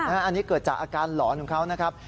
อันนี้เกิดจากอาการหลอนของเขานะครับ